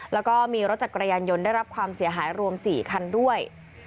แล้วก็มีรถจักรยานยนต์ได้รับความเสียหายรวม๔คันด้วย